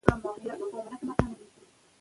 ښوونکي باید امانتدار وي.